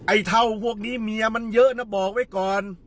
ไอ้เท่าพวกนี้เมียมันเยอะนะบอกไว้ก่อน